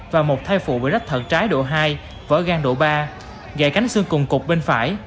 và một thai phụ bị rách thận trái độ hai vỡ gan độ ba gậy cánh xương cùng cục bên phải